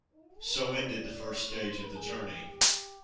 So ended the first stage of the journey.